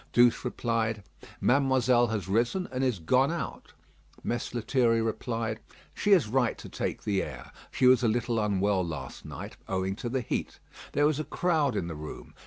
Douce replied, "Mademoiselle has risen and is gone out." Mess Lethierry replied, "She is right to take the air. She was a little unwell last night, owing to the heat. There was a crowd in the room.